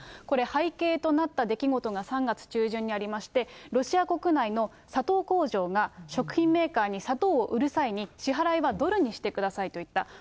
これ、背景となった出来事が３月中旬にありまして、ロシア国内の砂糖工場が食品メーカーに砂糖を売る際に支払いはドルにしてくださいと言った。